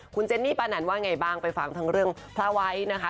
คุณเจนนี่ปานันว่าไงบ้างไปฟังทั้งเรื่องพระไว้นะคะ